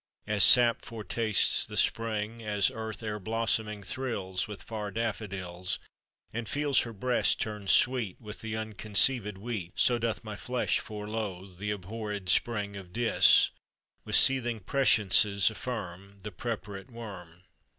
As sap foretastes the spring; As Earth ere blossoming Thrills With far daffodils, And feels her breast turn sweet With the unconceivèd wheat; So doth My flesh foreloathe The abhorrèd spring of Dis, With seething presciences Affirm The preparate worm.